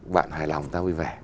bạn hài lòng ta vui vẻ